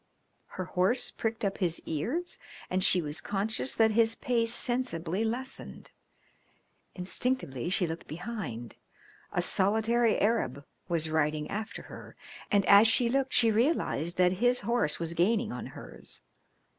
Her horse pricked up his ears and she was conscious that his pace sensibly lessened. Instinctively she looked behind. A solitary Arab was riding after her and as she looked she realised that his horse was gaining on hers.